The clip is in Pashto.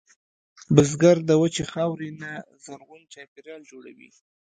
بزګر د وچې خاورې نه زرغون چاپېریال جوړوي